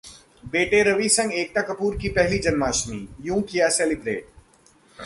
बेटे रवि संग एकता कपूर की पहली जन्माष्टमी, यूं किया सेलिब्रेट